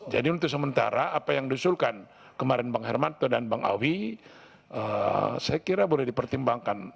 jadi untuk sementara apa yang disuruhkan kemarin bang hermanto dan bang awi saya kira boleh dipertimbangkan